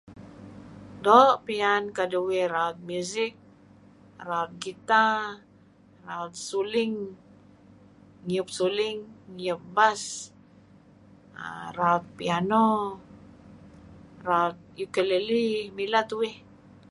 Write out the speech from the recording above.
Doo' piyan keduih raut music, raut guitar, raut suling, ngiup suling, ngiup bas, raut piano, raut ukelele mileh tuih.